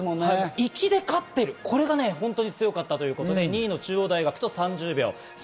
行きで勝ってる、これが強かったということで、２位の中央大学と３０秒差。